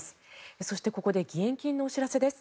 そして、ここで義援金のお知らせです。